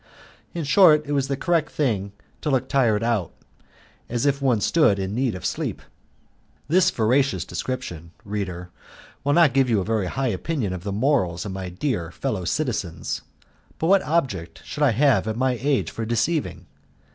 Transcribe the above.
In short it was the correct thing to look tired out, and as if one stood in need of sleep. This veracious description, reader, will not give you a very high opinion of the morals of my dear fellow citizens; but what object should I have at my age for deceiving?